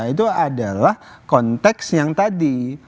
itu adalah konteks yang tadi